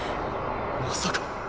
まさか。